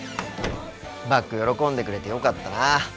バッグ喜んでくれてよかったな。